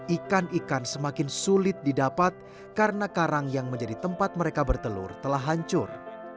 ikan ikan semakin sulit didapat karena karang yang menjadi tempat mereka bertelur telah hancur